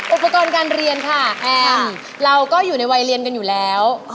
อุปกรณ์การเรียนค่ะแอมเราก็อยู่ในวัยเรียนกันอยู่แล้ว